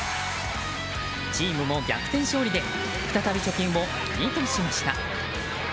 チームも逆転勝利で再び貯金を２としました。